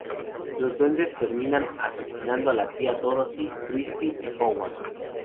Los duendes terminan asesinando a la tía Dorothy, Chrissy y Howard.